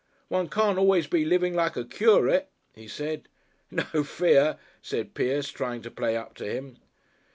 "One can't always be living like a curit," he said. "No fear," said Pierce, trying to play up to him.